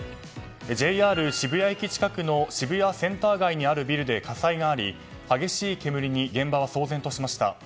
ＪＲ渋谷駅近くの渋谷センター街にあるビルで火災があり激しい煙に現場は騒然としました。